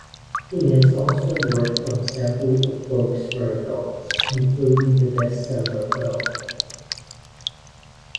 He has also worked on several books for adults, including the best-selling O.